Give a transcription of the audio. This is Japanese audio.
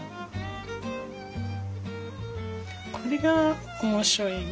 これが面白いよね